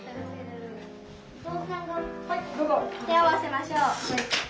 手を合わせましょう。